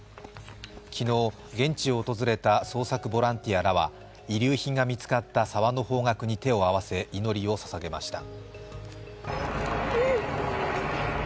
昨日、現地を訪れた捜索ボランティアらは遺留品が見つかった沢の方角に手を合わせ、祈りを捧げました。